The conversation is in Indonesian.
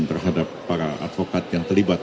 terhadap para advokat yang terlibat